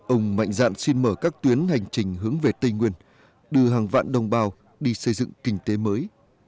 ông mạnh dạn xin mở các tuyến hành trình hướng về tây nguyên đưa hàng vạn đồng bào đi xây dựng kinh tế mới